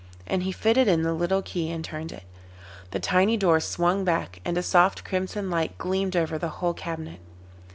And he fitted in the little key and turned it. The tiny door swung back, and a soft crimson light gleamed over the whole cabinet.